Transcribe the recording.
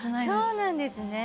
そうなんですね。